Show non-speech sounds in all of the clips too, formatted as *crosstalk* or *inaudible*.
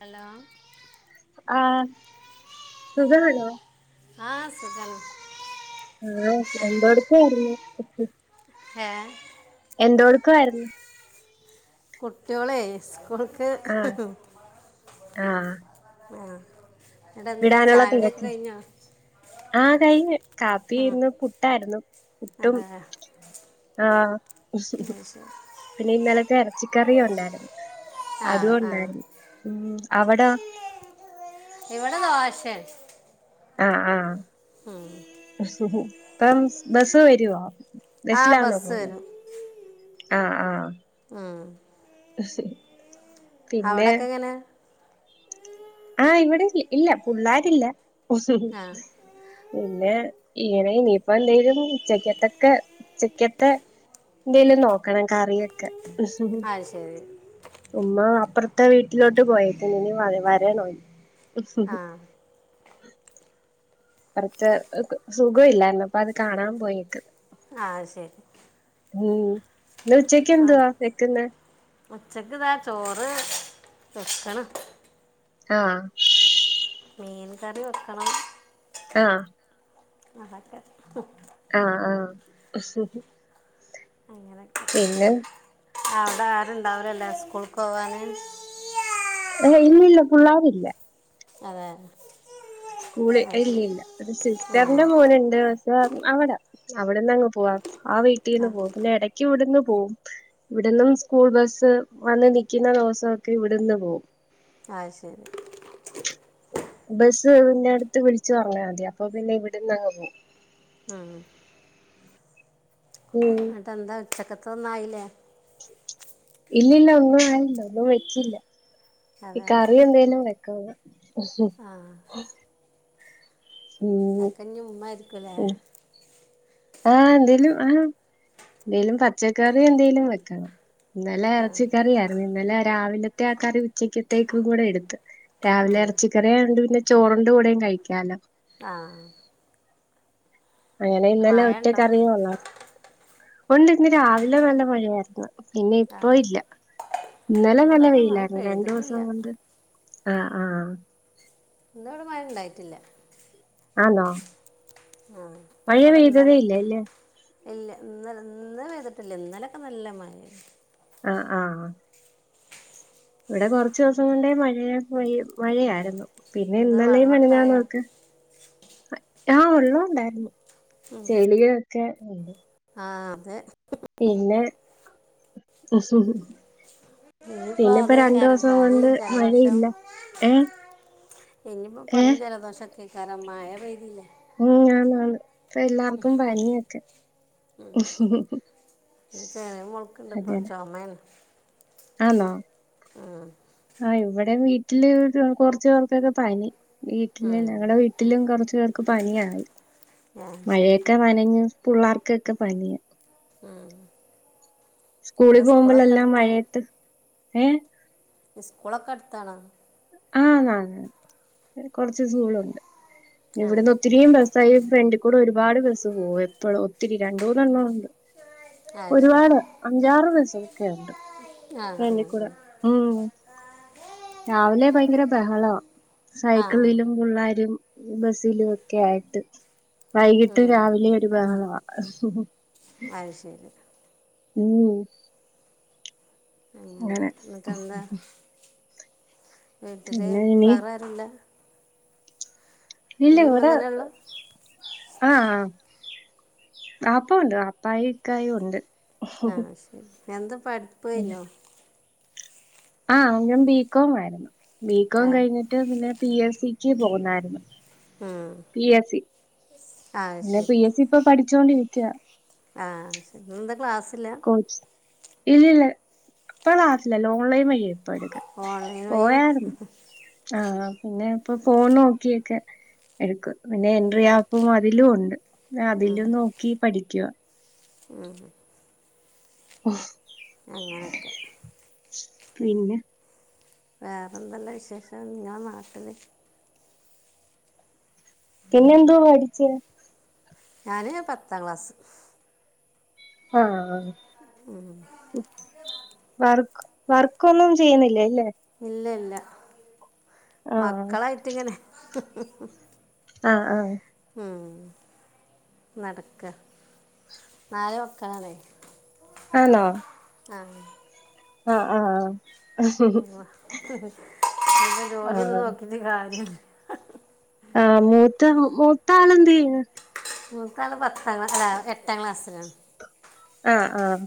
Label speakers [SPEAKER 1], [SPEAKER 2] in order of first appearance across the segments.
[SPEAKER 1] Hello
[SPEAKER 2] ആഹ് സുഖാണോ?
[SPEAKER 1] ആഹ് സുഖം
[SPEAKER 2] ആഹ് എന്തോ ട്ക്കായിരുന്നു ഇ
[SPEAKER 1] ഏഹ്
[SPEAKER 2] എന്തോടുക്കായിരുന്നു
[SPEAKER 1] കുട്ടിയോളെയ് സ്കൂൾക്ക്.
[SPEAKER 2] ആഹ് ആഹ്
[SPEAKER 1] ആ
[SPEAKER 2] വിടാനുള്ള തിരക്ക്. ആഹ് കൈഞ്ഞ് കാപ്പി
[SPEAKER 1] ഉം.
[SPEAKER 2] ഇന്ന് പുട്ടായിര്ന്നു പുട്ടും.
[SPEAKER 1] അതെ
[SPEAKER 2] ആഹ്
[SPEAKER 1] അയ് ശെരി.
[SPEAKER 2] പിന്നെ ഇന്നലത്തെ എറച്ചിക്കറിയുണ്ടായിരുന്നു.
[SPEAKER 1] ആ
[SPEAKER 2] അതു
[SPEAKER 1] ആ
[SPEAKER 2] ഉണ്ടായിരുന്നു ഉം അവിടോ?
[SPEAKER 1] ഇവിടെ ദോശെ.
[SPEAKER 2] ആഹ് ആഹ്
[SPEAKER 1] ഉം
[SPEAKER 2] ഇപ്പം ബെസ് വര്വാ
[SPEAKER 1] ആ
[SPEAKER 2] ബസിലാണോ
[SPEAKER 1] ബസ്
[SPEAKER 2] പോണെ?
[SPEAKER 1] വരും
[SPEAKER 2] ആഹ് ആഹ്
[SPEAKER 1] ഉം
[SPEAKER 2] അസെരി.
[SPEAKER 1] അവ്ടൊക്കെ എങ്ങനെ?
[SPEAKER 2] ആഹ് ഇവിടെ *unintelligible* ഇല്ല ഫുള്ളായ്റ്റില്ല.
[SPEAKER 1] ആ
[SPEAKER 2] പിന്നെ ഇങ്ങനെ ഇനിപ്പ എന്തെലും ഉച്ചക്കത്തക്കെ ഉച്ചക്കത്തെ. എന്തേലും നോക്കണം കറിയൊക്കെ.
[SPEAKER 1] അയ് ശെരി.
[SPEAKER 2] ഉമ്മ അപ്പറ്ത്തെ വീട്ടിലോട്ട് പോയേക്കുന്നു ഇനി വ വരണോ.
[SPEAKER 1] ആ
[SPEAKER 2] പൊറത്ത് സുഖ്വ ഇല്ലായിര്ന്നു. അപ്പ അത് കാണാൻ പോയിക്ക്
[SPEAKER 1] ആഹ് ശെരി
[SPEAKER 2] ഉം ഇന്ന് ഉച്ചയ്ക്ക് എന്തുവാ വെക്കുന്നെ
[SPEAKER 1] ഉച്ചക്ക്താ ചോറ് വെക്കണം
[SPEAKER 2] ആഹ്
[SPEAKER 1] മീൻ കറി വെക്കണം
[SPEAKER 2] ആഹ്
[SPEAKER 1] അതൊക്കെ
[SPEAKER 2] ആഹ് ആഹ്
[SPEAKER 1] അങ്ങനെക്ക്
[SPEAKER 2] പിന്നെ
[SPEAKER 1] ഔടെ ആരുണ്ടാവുലലെ സ്കൂൾ ക്കോവാന്
[SPEAKER 2] ഇല്ല ഇല്ല പുള്ളാരില്ല
[SPEAKER 1] അതെ
[SPEAKER 2] സ്കൂളി.
[SPEAKER 1] അത് ശരി
[SPEAKER 2] ഇല്ലല്ല ഒരു
[SPEAKER 1] ഉം.
[SPEAKER 2] സിസ്റ്ററിന്റെ മോന്ണ്ട് അവിട അവിടെന്ന് അങ്ങ് പോവാ ആ വീട്ടീന്ന് പോവ പിന്നെ എടക് ഇവിട്ന്ന് പോവും. ഇവിട്ന്നും സ്കൂൾ ബസ് വന്ന് നിൽക്കുന്ന ദിവസൊക്കെ ഇവിടുന്ന് പോവും.
[SPEAKER 1] ആഹ് ശരി
[SPEAKER 2] ബെസ്സ് വിന്റെ അടുത്ത് വിളിച്ചു പറ്ഞ്ഞാ മതി. അപ്പൊ പിന്നെ ഇവിട്ന്ന് അങ്ങ് പോവും.
[SPEAKER 1] ആഹ്
[SPEAKER 2] ഉം
[SPEAKER 1] ഇന്നട്ട് എന്താ ഉച്ചക്കത്തൊന്നും ആയിലെ
[SPEAKER 2] ഇല്ലല്ല ഒന്നും ആയില്ല ഒന്നും വെച്ചില്ല. ഈ
[SPEAKER 1] അതെ
[SPEAKER 2] കറി എന്തേലും വെക്കുന്ന
[SPEAKER 1] ആ
[SPEAKER 2] ഉം
[SPEAKER 1] അക്കഞ്ഞും ഉ്മ്മ രിക്കുലെ
[SPEAKER 2] ആഹ് എന്തേലും ആഹ് എന്തേലും പച്ചക്കറി എന്തേലും വെക്കണം ഇന്നലെ
[SPEAKER 1] ആ
[SPEAKER 2] ഇറച്ചിക്കറിയായിരുന്നു ഇന്നലെ രാവിലത്തെ ആ കറി ഉച്ചക്കത്തേക്കും കൂടെ എടുത്ത് രാവിലെ
[SPEAKER 1] ഉം.
[SPEAKER 2] ഇറച്ചിക്കറിയ ഉണ്ട് പിന്നെ ചോറണ്ട് കൂടെയും കഴിക്കാലോ
[SPEAKER 1] ആഹ് ആഹ്
[SPEAKER 2] അങ്ങനെ ഇന്നലെ
[SPEAKER 1] മഴ ഉണ്ടോ
[SPEAKER 2] ഒറ്റക്കറിയും ഉള്ള ഉണ്ട് ഇന്ന് രാവിലെ നല്ല മഴ ആയിരുന്നു പിന്നെ
[SPEAKER 1] ആ
[SPEAKER 2] ഇപ്പ ഇല്ല ഇന്നലെ
[SPEAKER 1] ഇവിടെ
[SPEAKER 2] നല്ല
[SPEAKER 1] ഒന്നും
[SPEAKER 2] വെയില
[SPEAKER 1] മഴ പെയ്തിട്ടില്ല
[SPEAKER 2] രണ്ടുസം കൊണ്ട് ആഹ് ആഹ്
[SPEAKER 1] ഇന്ന ഇവിടെ മഴ ണ്ടായിട്ടില്ല
[SPEAKER 2] ആന്നോ
[SPEAKER 1] ആ
[SPEAKER 2] മഴ
[SPEAKER 1] ഇവിടെ ഇന്നലെ
[SPEAKER 2] പെയ്തതേയില്ല അല്ലേ
[SPEAKER 1] ഇല്ല ഇന്നല ഇന്ന വ്തിട്ടില്ല ഇന്നലൊക്കെ നല്ല മഴ
[SPEAKER 2] ആഹ് ആഹ് ഇവിടെ കുറച്ചോസം കൊണ്ടേ മഴ മഴയായിരുന്നു പിന്നെ
[SPEAKER 1] എന്താ
[SPEAKER 2] ഇന്നലേം
[SPEAKER 1] വെള്ളമൊക്കെ ആയോ
[SPEAKER 2] മെനഞൊക്കെ ആഹ് ഉള്ളോ ഉണ്ടായിരുന്നു ചെളിയോക്കെ ഉണ്ട്
[SPEAKER 1] ആഹ് അതെ
[SPEAKER 2] പിന്നെ
[SPEAKER 1] ഇനിയിപ്പോൾ
[SPEAKER 2] പിന്നെ ഇപ്പോ
[SPEAKER 1] അതേ കാര്യം
[SPEAKER 2] രണ്ടോസം
[SPEAKER 1] പാതി
[SPEAKER 2] കൊണ്ട് മഴയില്ല ഏഹ്
[SPEAKER 1] ഇനിപ്പോ പനിയും
[SPEAKER 2] ഏഹ്
[SPEAKER 1] ജലദോഷം കേക്കാര മായ പെയ്തില്ല
[SPEAKER 2] ഉം ആണ് ണ് പ എല്ലാർക്കും പനിയൊക്കെ
[SPEAKER 1] ഇത് ചെറിയ മോൾക്കുണ്ട് ഇപ്പോൾ
[SPEAKER 2] അതെല്ലെ
[SPEAKER 1] ചുമയാണ്
[SPEAKER 2] ആന്നോ
[SPEAKER 1] ഉം,
[SPEAKER 2] ആഹ് ഇവിടെ വീട്ടില് കൊർച് പേർക്കൊക്കെ പനി വീട്ടില
[SPEAKER 1] ഉം.
[SPEAKER 2] ഞങ്ങളടെ വീട്ടിലും കൊറച്ചു പേർക്ക് പനിയായി
[SPEAKER 1] ആ ശരി
[SPEAKER 2] മഴയൊക്കെ നനഞ്ഞ് പിള്ളേർക്കൊക്കെ പനിയ
[SPEAKER 1] ആഹ്
[SPEAKER 2] സ്കൂളിൽ പോകുമ്പോളല്ലാം
[SPEAKER 1] അടുത്താ
[SPEAKER 2] മഴയത്ത് ഏഹ്
[SPEAKER 1] ഇസ്കോളക്കെ ട്താണോ
[SPEAKER 2] ആഹ് ന കൊർച് സൂളുണ്ട്
[SPEAKER 1] ആ
[SPEAKER 2] ഇവിടുന്ന് ഒത്തിരി പഈ ഫെന്റ് കൂടെ ഒരുപാട് ബസ് പോവു എപ്പഴും ഒത്തിരി രണ്ടൂന്നണ്ണം ഉണ്ട്
[SPEAKER 1] അത് ശരി
[SPEAKER 2] ഒരുപാട് അഞ്ചാറ് ബസ്സൊക്കെണ്ട്
[SPEAKER 1] ആ ആ
[SPEAKER 2] ഫ്രണ്ടീക്കൂടെ ഉം രാവിലെ ഭയങ്കര ബഹള
[SPEAKER 1] ആ ആ
[SPEAKER 2] സൈക്കിളിലും പിള്ളാരും ബസിലും ഒക്കെ ആയിട്ട് വൈകിട്ട്
[SPEAKER 1] ഉം,
[SPEAKER 2] രാവിലെ ബഹളവ
[SPEAKER 1] അഹ് ശരി
[SPEAKER 2] ഉം ഉം അങ്ങനെ
[SPEAKER 1] ന്നട്ടെന്താ വീട്ടില്
[SPEAKER 2] പിന്നെ ഇനി
[SPEAKER 1] വേറെ ആരുല്ല
[SPEAKER 2] ഇല്ല
[SPEAKER 1] ഉമ്മ
[SPEAKER 2] വടെ
[SPEAKER 1] തന്നെ ഉള്ളു
[SPEAKER 2] ആഹ് ആപ്പണ്ട് ആപ്പായക്കായ ഉണ്ട്
[SPEAKER 1] ആഹ് ശരി എന്ത് പഠിപ്പ് കഴിഞ്ഞോ
[SPEAKER 2] ആഹ് ഞാൻ ബികോം ആയിരുന്നു ബികോം
[SPEAKER 1] ആ
[SPEAKER 2] കഴിഞ്ഞിട്ട് പിന്നെ പി എസ് സിക്ക് പോഉന്നായിരുന്നു പി എസി
[SPEAKER 1] ആഹ്
[SPEAKER 2] ന്നെ പി എസ് സി ഇപ്പൊ പഠിച്ചോണ്ടിരിക്ക
[SPEAKER 1] ആഹ് ശരി ന്ന് എന്താ ക്ലാസ്സില്ല
[SPEAKER 2] കോച് ഇല്ല ഇല്ല ഇപ്പ ളാസില്ല ഓൺലൈൻ വയിയേ *unintelligible*
[SPEAKER 1] ഓൺലൈൻ വഴിയാ
[SPEAKER 2] പോയാരുന്നു ആഹ് പിന്നെ ഇപ്പൊ പോൺ നോക്കിയൊക്കെ എടുക്ക പിന്നെ എൻട്രി ആപ്പും അതിലും ഉണ്ട് അതിലും നോക്കി പഠിക്കവാ
[SPEAKER 1] ഉം
[SPEAKER 2] ഓ
[SPEAKER 1] അങ്ങനൊക്കെ
[SPEAKER 2] പിന്നെ
[SPEAKER 1] വേറെ എന്തല്ല വിശേഷം നിങ്ങള നാട്ടില്
[SPEAKER 2] പിന്നെ എന്തോ മേഠിച്ച
[SPEAKER 1] ഞാന് പത്താം ക്ലാസ്
[SPEAKER 2] ആഹ് വർക്ക് വർക്ക്ന്നും ചെയ്യുന്നില്ലേ അല്ലേ
[SPEAKER 1] ഇല്ല ഇല്ല
[SPEAKER 2] ആഹ്
[SPEAKER 1] മക്കളായിട്ട്ങ്ങനെ
[SPEAKER 2] ആഹ് ആഹ്
[SPEAKER 1] ഉം നടക്ക നാല് വക്കാനാണേ
[SPEAKER 2] ആണോ
[SPEAKER 1] ആഹ്
[SPEAKER 2] ആഹ് ആഹ്
[SPEAKER 1] പിന്നെ ജോലിന്ന്
[SPEAKER 2] ആഹ്
[SPEAKER 1] നോക്കിണ്ട കാര്യം
[SPEAKER 2] ആഹ് മൂത്ത മൂത്ത ആള എന്ത് ചെയ്യന്നെ
[SPEAKER 1] നങ്ങൾക്കത് പത്താം എട്ടാം ക്ലാസ്സിലാണ്
[SPEAKER 2] ആഹ് ആഹ്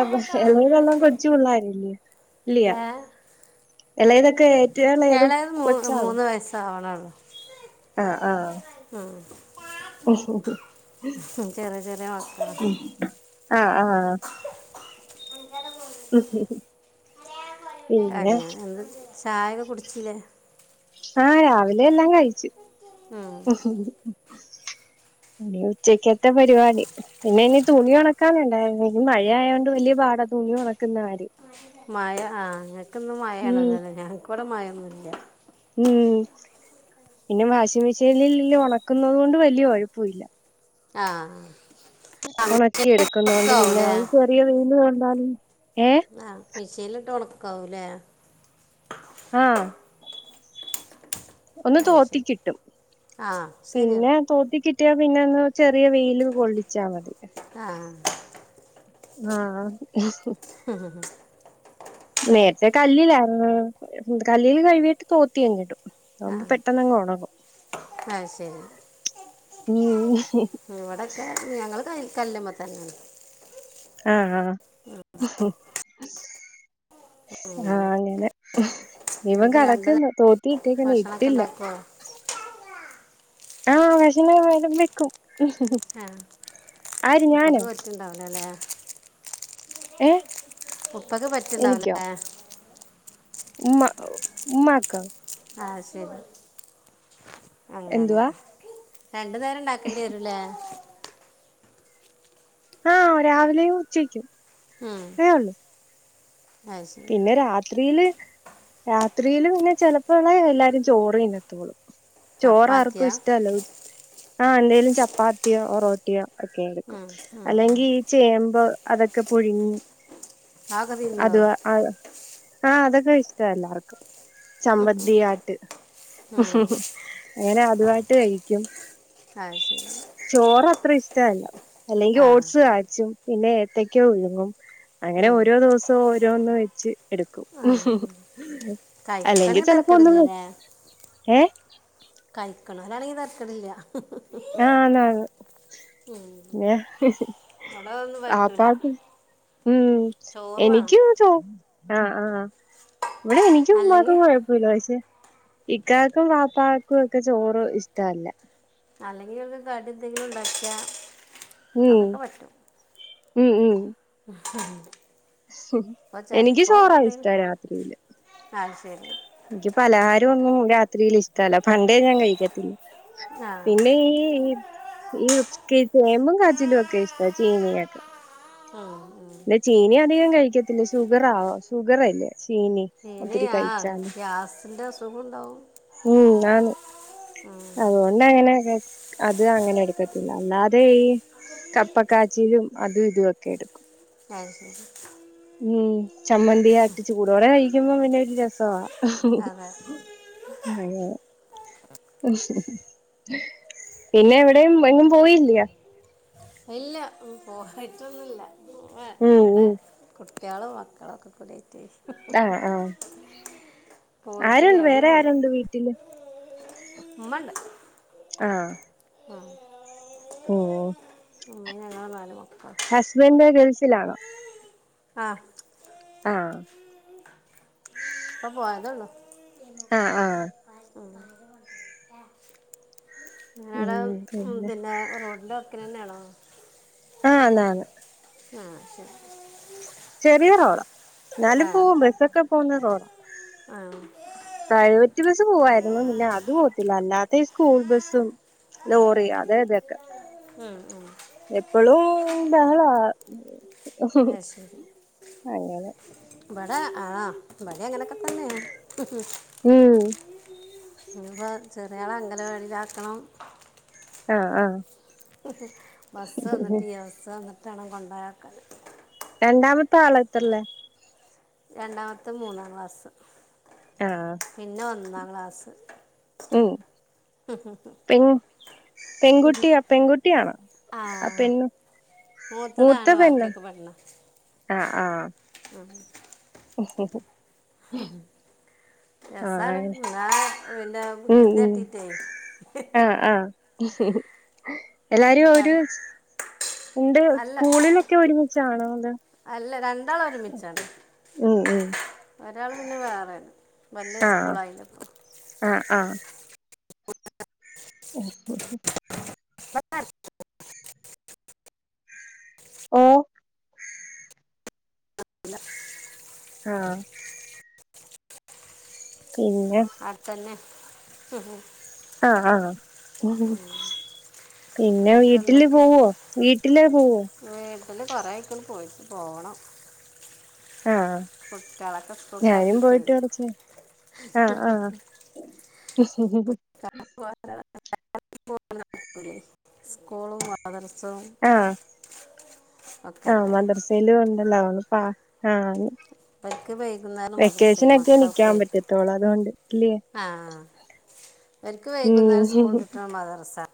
[SPEAKER 2] അ എല്ല വെല്ലം കൊടച്ച് പിള്ളരല്ല ഇല്ലയ അല്ല ഇതൊക്കെ
[SPEAKER 1] ഏളായത് മൂ മൂന്ന് വയസ്സ ആവണള്ളു
[SPEAKER 2] ആഹ് ആഹ്
[SPEAKER 1] ഉം ചെറിയ ചെറിയ മക്ക
[SPEAKER 2] ആഹ് ആഹ്
[SPEAKER 1] *unintelligible*
[SPEAKER 2] പിന്നെ
[SPEAKER 1] അങ്ങനെ എന്ത് ചായൊക്കെ കുടിച്ചില്ലേ
[SPEAKER 2] ആഹ് രാവിലെ എല്ലാം കഴിച്
[SPEAKER 1] ഉം.
[SPEAKER 2] അ ഉച്ചയ്ക്ക്ത്തെ പരിപാടി പിന്നെ ഇനി തുണി ഉണക്കാനല്ലേ ഇനി മഴ ആയോണ്ട് വലിയ പാടാ തുണി ഉണക്കുന്ന ആര്
[SPEAKER 1] മഴ ആഹ് ഇങ്ങക്കൊന്ന്
[SPEAKER 2] ഉം
[SPEAKER 1] മഴമാണല്ലോല്ലോ ഞങ്ങൾക്ക ഇവിടെ മഴൊന്നുംല്ല
[SPEAKER 2] ഉം പിന്നെ വാഷിംങ് മെഷീനില് ഉണക്കുന്നത് കൊണ്ട് വലിയകൊഴപ്പയില്ല
[SPEAKER 1] ആഹ്
[SPEAKER 2] ഉണക്കി എടുക്കുന്നോണ്ട് പിന്നെ ചെറിയ വെയില് വന്നാലും
[SPEAKER 1] ആ ഹ് മെഷീനിലിട്ട് ഒണക്കാവൂല്ലേ
[SPEAKER 2] ആഹ് ഒന്ന്
[SPEAKER 1] ആ ശരി
[SPEAKER 2] തോത്തിക്കിട്ടും
[SPEAKER 1] ആ ശരി
[SPEAKER 2] പിന്നെ തോത്തിക്കി ട്ടിയ പിന്നെ ഒന്ന് ചെറിയ വെയില് കൊള്ളിച്ചാ മതി
[SPEAKER 1] ആഹ്
[SPEAKER 2] ആഹ് സു നേരത്തെ കല്ലിലാരുന്ന് കല്ലില് കഴ് വിയിട്ട് തോത്തിഅങ്ങിടും അതോണ്ട് പെട്ടെന്ന്ങ് ഒണങ്ങും
[SPEAKER 1] അഹ്ശരി
[SPEAKER 2] ഉം
[SPEAKER 1] ഇവിടക്കെ ഞങ്ങൾ ക കല്ലുമ്മേ തന്നേണ്
[SPEAKER 2] ആഹ് ആഹ് ആഹ്
[SPEAKER 1] അങ്ങനൊക്കെ
[SPEAKER 2] അങ്ങനെ
[SPEAKER 1] ഇത്
[SPEAKER 2] ഇവൻ
[SPEAKER 1] എന്താ രണ്ട് നേരം
[SPEAKER 2] കെടക്ക്ന്ന് തോട്ടിയിട്ടെ
[SPEAKER 1] ഭക്ഷണമൊക്കെ
[SPEAKER 2] ഇട്ടില്ല
[SPEAKER 1] ഉണ്ടാക്കുമോ
[SPEAKER 2] ആഹ് വെൾന്നു വെരുമ്പക്കും
[SPEAKER 1] ആഹ് ഇപ്പൊക്കെ പറ്റ്ണ്ടാവൂല്ലാല്ലേ
[SPEAKER 2] ഏഹ്
[SPEAKER 1] ഉപ്പക്ക്
[SPEAKER 2] എനിക്കോ
[SPEAKER 1] പറ്റിണ്ടാവൂല്ലല്ലേ
[SPEAKER 2] ഉമ്മ *unintelligible* ഉമ്മാക്കോ?
[SPEAKER 1] ആഹ് ശരി അങ്ങനെ
[SPEAKER 2] എന്തുവാ
[SPEAKER 1] രണ്ട് നേരം ഇണ്ടാക്കേണ്ടി വെരുല്ലേ
[SPEAKER 2] ആഹ് രാവിലെയും ഉച്ചയ്ക്കും അത്രേ ഒള്ളു
[SPEAKER 1] അയ് ശരി
[SPEAKER 2] പിന്നെ രാത്രീല് രാത്രീല് പിന്നെ ചെലപ്പളെ എല്ലാരും ചോറ് തിന്നത്തൊള്ളൂ
[SPEAKER 1] ചപ്പാത്തിയാ
[SPEAKER 2] ചോറാർക്കും ഇഷ്ട്ടല്ല ഉച് ആഹ് എന്തേലും ചപ്പാത്തിയോ ഒറോട്ടിയോ ഒക്കെ എടുക്കും
[SPEAKER 1] ഉം, ഉം, ഉം.
[SPEAKER 2] അല്ലെങ്കി ഈ ചേമ്പ് അതൊക്കെ പുഴുങ്ങി
[SPEAKER 1] ആ ഒക്കെ തിന്നോ?
[SPEAKER 2] അത് ആഹ് അതൊക്കെ ഇഷ്ട്ടാ എല്ലാർക്കും ചമ്മന്തി ആട്ട് അങ്ങനെ അതുവായിട്ട് കഴിക്കും
[SPEAKER 1] അത് ശരി
[SPEAKER 2] ചോറ് അത്ര ഇഷ്ട്ടല്ല അല്ലെങ്കി
[SPEAKER 1] ആ
[SPEAKER 2] ഓട്സ് കാച്ചും പിന്നെ ഏത്തക്കോ പുഴുങ്ങും അങ്ങനെ
[SPEAKER 1] ഉം,
[SPEAKER 2] ഓരോ ദിവസവും ഓരോന്ന് വെച്ച് എടുക്കും
[SPEAKER 1] ആ ഉം.
[SPEAKER 2] അല്ലെങ്കി
[SPEAKER 1] കഴിക്കണമെങ്കിൽ
[SPEAKER 2] ചെലപ്പോ ഒന്നും
[SPEAKER 1] തിരക്കടില്ലല്ലേ
[SPEAKER 2] വേ ഏഹ്
[SPEAKER 1] കഴിക്കണം അതാണെങ്കി തരക്കേടില്ലാ
[SPEAKER 2] ആന്നാന്ന് ന്നെ
[SPEAKER 1] ഇവിടെ ഒന്നും പറ്റൂല
[SPEAKER 2] ആപ്പാക്ക് ഉം
[SPEAKER 1] ചോറ് വേണം
[SPEAKER 2] എനിക്കു ചോ ആഹ് ആഹ് ഇവിടെ എനിക്കും ഉമ്മാക്കും
[SPEAKER 1] അല്ലെങ്കിൽ
[SPEAKER 2] കൊഴ ക്കൂല്ല പക്ഷെ ഇക്കാക്കും വാപ്പക്കും ഒക്കെ ചോറ് ഇഷ്ട്ടല്ല
[SPEAKER 1] അല്ലെങ്കി *unintelligible* കടി എന്തെങ്കിലുണ്ടാക്കിയാ
[SPEAKER 2] ഉം ഉം ഉം ഉം
[SPEAKER 1] അപ്പോൾ
[SPEAKER 2] എനിക്ക് ചോറാ ഇഷ്ട്ടം രാത്രീല്
[SPEAKER 1] ആഹ് ശരി
[SPEAKER 2] എനിക്ക് പലഹാരൊന്നും രാത്രീല് ഇഷ്ട്ടല്ല പണ്ടേ ഞാൻ കഴിക്കത്തില്ല
[SPEAKER 1] ആ
[SPEAKER 2] പിന്നെ ഈ ഈപ് ഈ *unintelligible* ചേമ്പും കാച്ചിലും ഒക്കെ ഇഷ്ട്ടാ ചീനീയൊക്കെ
[SPEAKER 1] ഉം ഉം
[SPEAKER 2] ചീനി അധികം കഴിക്കത്തില്ലാ ഷുഗറാ ഷുഗർ അല്ലേ
[SPEAKER 1] ചീനി ആഹ് ഗ്യാസിന്റെ അസുഖോണ്ടാവും
[SPEAKER 2] ഉം ആണ്
[SPEAKER 1] ഉം
[SPEAKER 2] അതുകൊണ്ട് അങ്ങനെ അത് അങ്ങനെ എടുക്കത്തില്ല അല്ലാതെ ഈ കപ്പക്കാച്ചിയിലും അതും ഇതുവൊക്കെ എടുക്കും
[SPEAKER 1] ആഹ് ശരി
[SPEAKER 2] ഉം ചമ്മന്തിയും ആട്ടിച്ച് ചൂടോടെ കഴിക്കുമ്പോ പിന്നെ ഒരു രസവാ
[SPEAKER 1] അതെ
[SPEAKER 2] *unintelligible* പിന്നെ എവിടെയും എങ്ങും പോയില്ലയോ
[SPEAKER 1] ഇല്ല പോയിട്ടൊന്നുല്ല
[SPEAKER 2] ഉം
[SPEAKER 1] ഇവിടെ
[SPEAKER 2] ഉം
[SPEAKER 1] കുട്ടിയാളും മക്കളും ഒക്കെ കുലറ്റ്
[SPEAKER 2] അ ആഹ്
[SPEAKER 1] പോയിട്ടില്ല
[SPEAKER 2] ആരുണ്ട് വേറെ ആരുണ്ട് വീട്ടില്
[SPEAKER 1] ഉമ്മണ്ട്
[SPEAKER 2] ആഹ്
[SPEAKER 1] ആഹ്
[SPEAKER 2] ഓഹ്
[SPEAKER 1] ഞങ്ങള് നാല് മക്കള്
[SPEAKER 2] ഹസ്ബൻ്റ് ഗൾസിലാണോ
[SPEAKER 1] ആഹ്
[SPEAKER 2] ആഹ്
[SPEAKER 1] പ്പോ പോയതല്ലു
[SPEAKER 2] അ ആഹ്
[SPEAKER 1] ഉം ഞടെ ഉം പിന്നെ റോഡിന്റെ വാക്കിനന്നാണോ
[SPEAKER 2] ആഹ് ന്നാന്ന്
[SPEAKER 1] ആഹ് ശരി
[SPEAKER 2] ചെറിയ റോഡാ ഞാലുപ്പോ ബസ്സൊക്കെ പോന്ന റോഡാ
[SPEAKER 1] ആഹ്
[SPEAKER 2] പ്രൈവറ്റ് ബസ്സ് പോവായിരുന്നു പിന്നെ അത് പോകത്തില്ല അല്ലാത്ത ഈ സ്കൂൾ ബസ്സും ലോറി അതെ അതൊക്കെ
[SPEAKER 1] ഉം ഉം
[SPEAKER 2] എപ്പളു ബഹള
[SPEAKER 1] അയ്ശരി ഇവട ആഹ് ഇവട അങ്ങനെക്കെ തന്നെയാണ്
[SPEAKER 2] ഉം
[SPEAKER 1] ഇനിപ്പോ ചെറിയാളെ അങ്കല വാടിലാക്കണം
[SPEAKER 2] അ ആഹ്
[SPEAKER 1] ബസ്സ് വന്നിട്ടിയ ബസ്സ് വന്നിട്ടാണം കൊണ്ടൊയാക്കാൻ
[SPEAKER 2] രണ്ടാമത്തെ ആളത്രേല്
[SPEAKER 1] രണ്ടാമത്തെ മൂന്നാ ക്ലാസ്സ്
[SPEAKER 2] ആഹ്
[SPEAKER 1] പിന്നെ ഒന്നാ ക്ലാസ്
[SPEAKER 2] ഉം
[SPEAKER 1] ഹും ഹും ഹും
[SPEAKER 2] പെ പെൺകുട്ടിയ പെൺകുട്ടിയാണ്
[SPEAKER 1] ആ
[SPEAKER 2] അ പെൺ
[SPEAKER 1] മൂത്തതാണ് വാക്കിയൊക്കെ പെണ്ണാ
[SPEAKER 2] അ ആഹ്
[SPEAKER 1] അ
[SPEAKER 2] ഹും ഹും
[SPEAKER 1] ഉം രസാണ്
[SPEAKER 2] ആഹ്
[SPEAKER 1] ന്നാ പിന്നെ
[SPEAKER 2] ഉം
[SPEAKER 1] വയകൃതി
[SPEAKER 2] ഉം
[SPEAKER 1] കാട്ടിട്ടേ
[SPEAKER 2] ആഹ് *inaudible*
[SPEAKER 1] കുറച്ച്
[SPEAKER 2] എല്ലാരും ഒരു
[SPEAKER 1] ത-
[SPEAKER 2] ഇണ്ട്
[SPEAKER 1] അല്ല
[SPEAKER 2] സ്കൂളിലൊക്കെ ഒരുമിച്ചാണോ അത്
[SPEAKER 1] അല്ല രണ്ടാള് ഒരുമിച്ചാണ്
[SPEAKER 2] ഉം ഉം
[SPEAKER 1] ഒരാള് പിന്നെ വേറെണ് വല്യ സ്കൂളായാലും
[SPEAKER 2] ആഹ്‌ ആഹ്‌ ഉം ഉം
[SPEAKER 1] *inaudible*
[SPEAKER 2] ഓഹ്‌
[SPEAKER 1] ഇല്ല
[SPEAKER 2] ആഹ്‌ പിന്നെ
[SPEAKER 1] അതന്നെ ഹും ഹും
[SPEAKER 2] ആഹ്‌ ആഹ് പിന്നെ
[SPEAKER 1] എന്നിട്ട്
[SPEAKER 2] വീട്ടില് പോവോ? വീട്ടിലേ പോവോ
[SPEAKER 1] വീട്ടില് കൊറേ ആയ്ക്ക്ണ് പോയിട്ട് പോണം.
[SPEAKER 2] ആഹ്‌
[SPEAKER 1] കുട്ടികളൊക്കെ
[SPEAKER 2] ഞാനും പോയിട്ട്
[SPEAKER 1] സ്കൂൾക്കാക്കിയിട്ടേ
[SPEAKER 2] കുറച്ചായി ആഹ് ആഹ്‌ *inaudible*
[SPEAKER 1] *inaudible* കൂളും മദ്രസ്സും
[SPEAKER 2] ആഹ്‌ ആഹ്‌
[SPEAKER 1] അല്ലേ
[SPEAKER 2] മദ്രസ്സയിലും ഉണ്ടല്ലോ ഒന്ന് പാ ആഹ്‌
[SPEAKER 1] ഇവർക്ക് വൈകുന്നേരം മദ്രസയും
[SPEAKER 2] വെക്കേഷനൊക്കെ നിക്കാൻ
[SPEAKER 1] മക്കൾക്ക്
[SPEAKER 2] പറ്റത്തോളൂ അതുകൊണ്ട് ല്ലേ
[SPEAKER 1] ഇവൽക്ക് വൈകുന്നേരം സ്കൂള് വിട്ട്ട്ടാണ് മദ്രസ്സ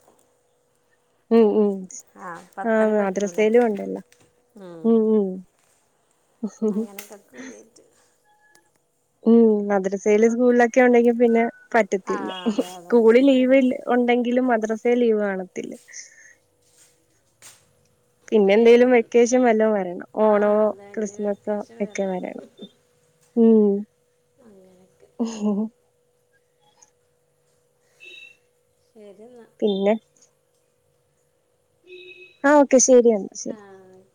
[SPEAKER 2] ഉം ഉം
[SPEAKER 1] ആ അപ്പം
[SPEAKER 2] ആഹ്‌
[SPEAKER 1] അത്രയും പറ്റൂല
[SPEAKER 2] മദ്രസയേലും ഉണ്ടല്ലൊ ഉം ഉം
[SPEAKER 1] അങ്ങനെക്കൊക്കൂടിയായിട്ട്.
[SPEAKER 2] ഉം മദ്രസേലും സ്കൂളിലൊക്കെ ഉണ്ടെങ്കിൽ പിന്നെ
[SPEAKER 1] ആ
[SPEAKER 2] പറ്റത്തില്ല.
[SPEAKER 1] അതെ അതെ
[SPEAKER 2] സ്കൂള്
[SPEAKER 1] ശരിയാണ്
[SPEAKER 2] ലീവ് ഉണ്ടെങ്കിലും മദ്രസേല് ലീവ് കാണത്തില്ല. പിന്നെ
[SPEAKER 1] ശരി
[SPEAKER 2] എന്തേലും
[SPEAKER 1] എന്നാ.
[SPEAKER 2] വെക്കേഷൻ വല്ലോം വരണം.
[SPEAKER 1] ആ
[SPEAKER 2] ഓണോ
[SPEAKER 1] അതെ ഇനി
[SPEAKER 2] ക്രിസ്മസോ
[SPEAKER 1] വെക്കേഷൻ
[SPEAKER 2] ഒക്കെ വരണം. ഉം
[SPEAKER 1] അങ്ങനെയൊക്കെ ശെരി ന്നാ
[SPEAKER 2] പിന്നെ ആഹ്‌ ഓക്കെ ശെരി എന്നാ ശെരി
[SPEAKER 1] ആ